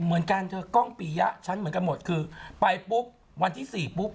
เหมือนกันเธอกล้องปียะฉันเหมือนกันหมดคือไปปุ๊บวันที่สี่ปุ๊บ